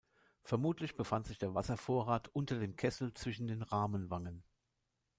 Vermutlich befand sich der Wasservorrat unter dem Kessel zwischen den Rahmenwangen.